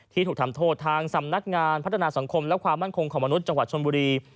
ถูกทำโทษทางสำนักงานพัฒนาสังคมและความมั่นคงของมนุษย์จังหวัดชนบุรี